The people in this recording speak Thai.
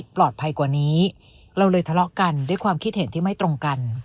ปลอดภัยกว่านี้เราเลยทะเลาะกันด้วยความคิดเห็นที่ไม่ตรงกัน